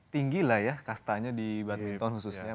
tinggi lah ya kastanya di badminton khususnya